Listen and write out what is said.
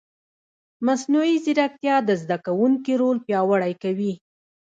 مصنوعي ځیرکتیا د زده کوونکي رول پیاوړی کوي.